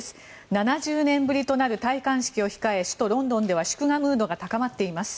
７０年ぶりとなる戴冠式を控え首都ロンドンでは祝賀ムードが高まっています。